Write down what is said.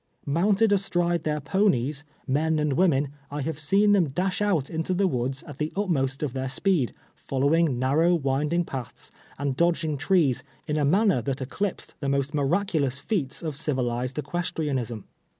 Mounted astride their ponies, mer and women, I have seen them dash out into the woods at the utmost of their speed, following narrow winding paths, and dodging trees, in a man ner that eclipsed tiio most miraculous feats of civil ized equestrianism.